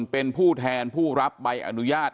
เป็นผู้แทนผู้รับใบอนุญาต